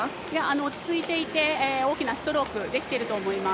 落ち着いていて大きなストロークできていると思います。